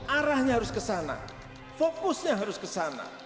arahnya harus ke sana fokusnya harus ke sana